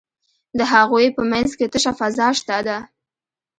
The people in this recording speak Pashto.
د هغوی په منځ کې تشه فضا شته ده.